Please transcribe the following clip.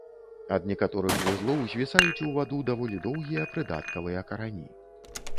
Ад некаторых вузлоў звісаюць у ваду даволі доўгія прыдаткавыя карані.